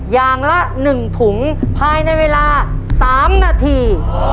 อย่างละ๑ถุงภายในเวลา๓นาที